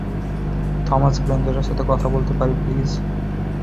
Thomas গ্রেঞ্জারের সাথে কথা বলতে পারি, প্লিজ?